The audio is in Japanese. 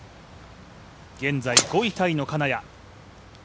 現在５位タイの金谷。